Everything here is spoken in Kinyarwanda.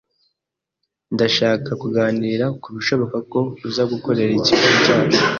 Ndashaka kuganira kubishoboka ko uza gukorera ikigo cyacu.